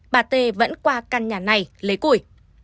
bà tê vẫn qua căn nhà này lấy củi